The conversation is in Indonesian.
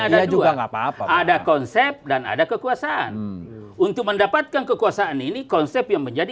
ada dua ada konsep dan ada kekuasaan untuk mendapatkan kekuasaan ini konsep yang menjadi